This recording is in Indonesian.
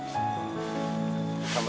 sama tinggal kakak